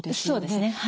そうですね。